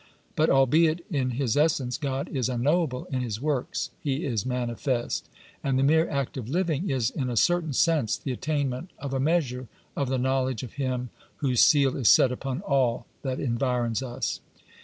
^ But albeit in His essence God is unknowable, in His works He is manifest, and the mere act of living ''^ is in a certain sense the attainment of a measure of the knowledge of Him wliose seal is set upon all that environs us.